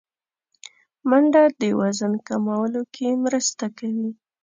منډه د وزن کمولو کې مرسته کوي